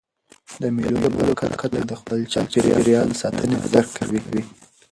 د مېلو له برکته خلک د خپل چاپېریال د ساتني ارزښت درکوي.